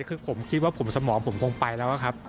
คือผมคิดว่าผมสมองผมคงไปแล้วครับ